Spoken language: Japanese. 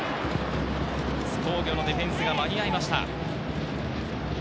津工業のディフェンスが間に合いました。